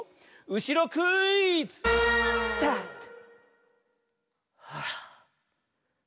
うしろクイズ！スタート。